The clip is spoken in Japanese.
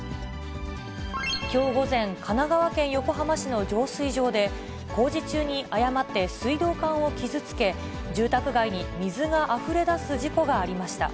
きょう午前、神奈川県横浜市の浄水場で、工事中に誤って水道管を傷つけ、住宅街に水があふれ出す事故がありました。